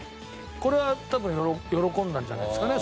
これは多分喜んだんじゃないですかね。